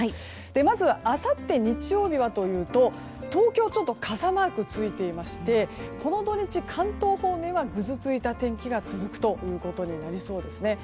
まずあさって日曜日はというと東京、ちょっと傘マークついていましてこの土日、関東方面はぐずついた天気が続くということになりそうですね。